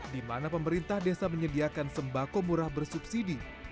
di mana pemerintah desa menyediakan sembako murah bersubsidi